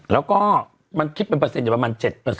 แล้วก็มันคิดเป็นเปอร์เซ็นอยู่ประมาณ๗